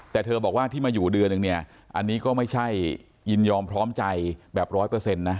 แต่เธอบอกว่าที่มาอยู่เดือนหนึ่งเนี่ยอันนี้ก็ไม่ใช่ยินยอมพร้อมใจแบบร้อยเปอร์เซ็นต์นะ